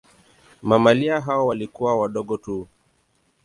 Mamalia hao walikuwa wadogo tu.